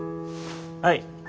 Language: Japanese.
はい。